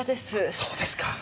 そうですか。